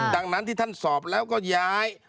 ดังนั้นที่ท่านสอบแล้วก็ย้าย